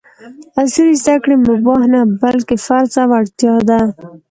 عصري زده کړې مباح نه ، بلکې فرض او اړتیا ده!